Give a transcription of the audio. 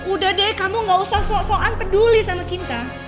udah deh kamu gak usah sok sokan peduli sama kita